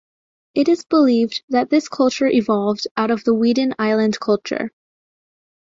It is believed that this culture evolved out of the Weeden Island culture.